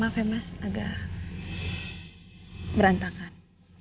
maaf ya mas agak berantakan